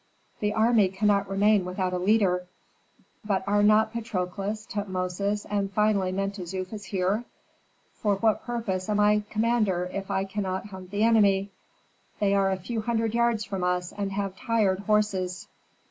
"The army cannot remain without a leader." "But are not Patrokles, Tutmosis, and finally Mentezufis, here? For what purpose am I commander if I cannot hunt the enemy? They are a few hundred yards from us and have tired horses."